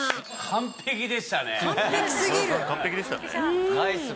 完璧でしたね。